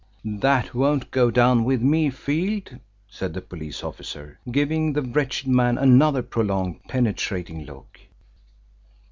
"That won't go down with me, Field," said the police officer, giving the wretched man another prolonged penetrating look.